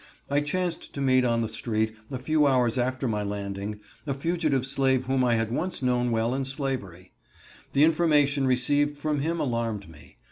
I chanced to meet on the street, a few hours after my landing, a fugitive slave whom I had once known well in slavery. The information received from him alarmed me.